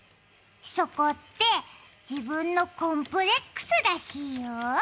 そこって、自分のコンプレックスらしいよ。